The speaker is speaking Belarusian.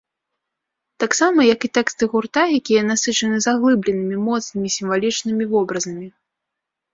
Таксама, як і тэксты гурта, якія насычаны заглыбленымі, моцнымі сімвалічнымі вобразамі.